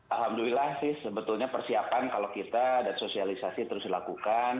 alhamdulillah sih sebetulnya persiapan kalau kita dan sosialisasi terus dilakukan